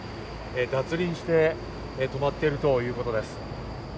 脱輪して止まっているということです。